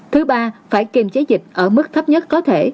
thứ ba phải kiềm chế dịch ở mức thấp nhất có thể